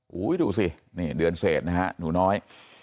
โหดูสิเดือนเศษหนูน้อย